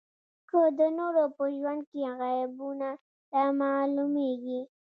که د نورو په ژوند کې عیبونه رامعلومېږي.